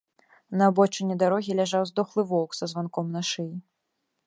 На абочыне дарогі ляжаў здохлы воўк са званком на шыі.